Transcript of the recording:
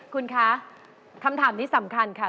คุณคะคำถามนี้สำคัญค่ะ